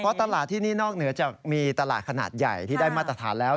เพราะตลาดที่นี่นอกเหนือจากมีตลาดขนาดใหญ่ที่ได้มาตรฐานแล้ว